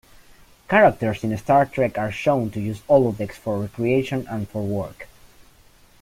Characters in "Star Trek" are shown to use holodecks for recreation and for work.